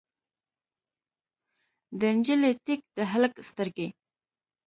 د نجلۍ ټیک، د هلک سترګې